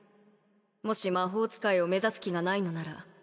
もし魔法使いを目指す気がないのなら